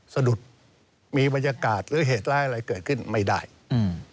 สะดุดมีบรรยากาศหรือเหตุร้ายอะไรเกิดขึ้นไม่ได้อืม